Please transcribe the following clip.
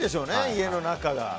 家の中が。